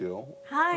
はい。